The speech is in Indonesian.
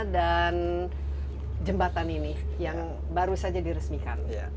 dan jembatan ini yang baru saja diresmenyikan